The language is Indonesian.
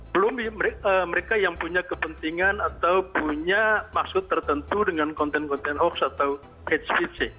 belum mereka yang punya kepentingan atau punya maksud tertentu dengan konten konten hoax atau hpc